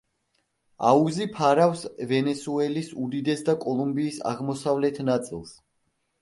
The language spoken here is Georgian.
აუზი ფარავს ვენესუელის უდიდეს და კოლუმბიის აღმოსავლეთ ნაწილს.